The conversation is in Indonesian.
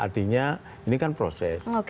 artinya ini kan proses